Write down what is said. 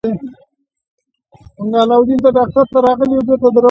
علاقه ورسره اخیسته.